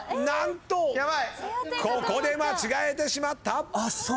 何とここで間違えてしまった。